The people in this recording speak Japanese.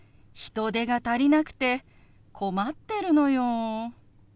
人手が足りなくて困ってるのよ。